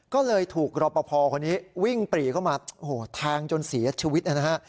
ก็เลยถูกรอปภคนนี้วิ่งปรีเข้ามาโอ้โหแทงจนเสียชีวิตนะฮะ